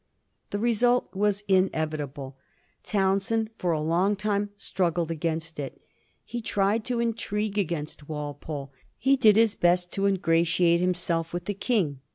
The result was inevitable. Townshend for a long time struggled against it. He tried to intrigue against Walpole ; he did his best to ingratiate him self with the King.